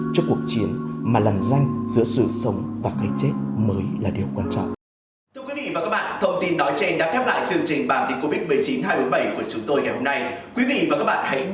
cho cuộc chiến mà lằn danh giữa sự sống và cái chết mới là điều quan trọng